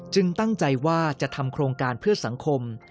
ตั้งใจว่าจะทำโครงการเพื่อสังคม